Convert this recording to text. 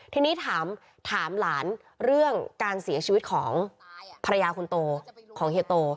ทีนี้ถามหลานเรื่องการเสียชีวิตของภรรยาคนโตของเฮียโต